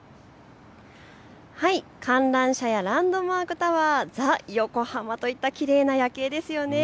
観覧車やランドマークタワー、ザ横浜といったきれいな夜景ですよね。